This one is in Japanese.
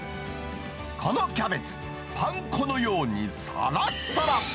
このキャベツ、パン粉のようにさらさら。